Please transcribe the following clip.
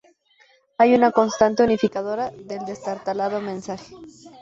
hay una constante unificadora del destartalado mensaje